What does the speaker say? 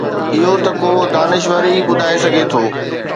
اهو ته ڪو دانشور ئي ٻڌائي سگهي ٿو.